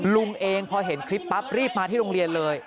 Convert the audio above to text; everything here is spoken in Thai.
ลุงเองพอเห็นคลิปปั๊บรีบมาที่โรงเรียนเลย